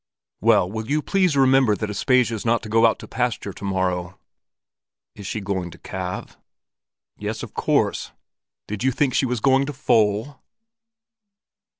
"Well, will you please remember that Aspasia's not to go out to pasture to morrow." "Is she going to calve?" "Yes, of course! Did you think she was going to foal?"